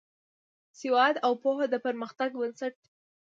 سواد او پوهه د پرمختګ بنسټ دی.